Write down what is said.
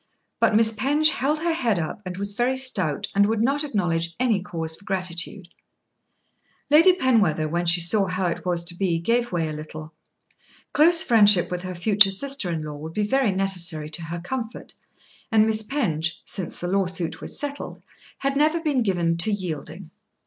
But Miss Penge held her head up and was very stout, and would not acknowledge any cause for gratitude. Lady Penwether, when she saw how it was to be gave way a little. Close friendship with her future sister in law would be very necessary to her comfort, and Miss Penge, since the law suit was settled, had never been given to yielding.